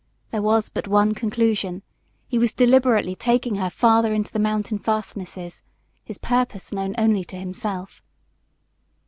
There was but one conclusion: he was deliberately taking her farther into the mountain fastnesses, his purpose known only to himself.